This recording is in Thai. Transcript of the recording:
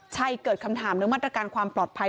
ใช่เกิดคำถามเรื่องมาตรการความปลอดภัย